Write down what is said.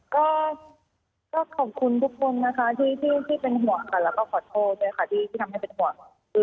ก็ขอบคุณทุกคนนะคะที่เป็นห่วงค่ะแล้วก็ขอโทษด้วยค่ะที่ทำให้เป็นห่วง